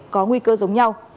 có nguy cơ giống nhau